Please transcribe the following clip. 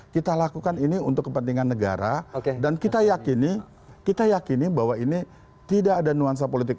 kita lakukan ini untuk kepentingan negara dan kita yakini kita yakini bahwa ini tidak ada nuansa politik